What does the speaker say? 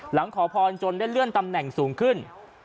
ขอพรจนได้เลื่อนตำแหน่งสูงขึ้น